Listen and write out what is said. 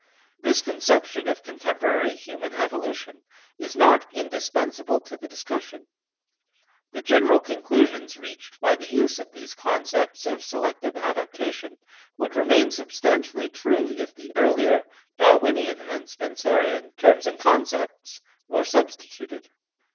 This conception of contemporary human evolution is not indispensable to the discussion. The general conclusions reached by the use of these concepts of selective adaptation would remain substantially true if the earlier, Darwinian and Spencerian, terms and concepts were substituted.